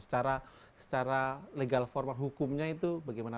secara legal formal hukumnya itu bagaimana